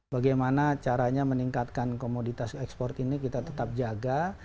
bagaimana caranya meningkatkan komoditas ekspor ini kita tetap jaga